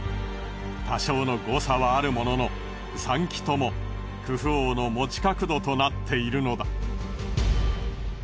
多少の誤差はあるものの３基ともクフ王の持ち角度となっているのだ。